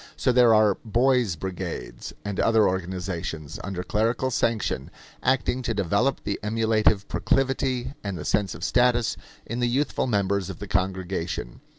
So there are "boys' brigades," and other organizations, under clerical sanction, acting to develop the emulative proclivity and the sense of status in the youthful members of the congregation.